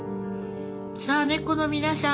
さあ猫の皆さん